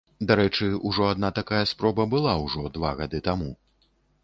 Дарэчы, ужо адна такая спроба была ўжо гады два таму.